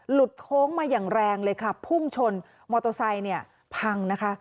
โค้งมาอย่างแรงเลยค่ะพุ่งชนมอเตอร์ไซค์เนี่ยพังนะคะ